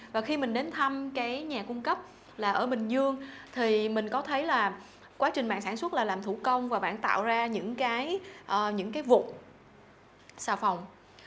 và khi mình đến thăm cái nhà cung cấp là ở bình dương thì mình có thấy là quá trình bạn sản xuất là làm thủ công và bạn tạo ra những cái vụt sà phòng